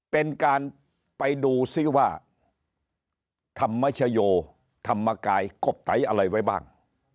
เป็นการไปดูซิว่าธรรมชโยธรรมกายกบไตอะไรไว้บ้าง